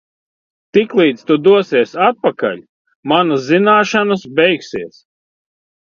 Tiklīdz tu dosies atpakaļ, manas zināšanas beigsies.